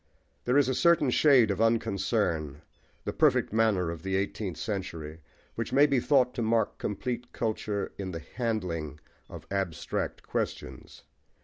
There is a certain shade of unconcern, the perfect manner of the eighteenth century, which may be thought to mark complete culture in the handling of abstract questions.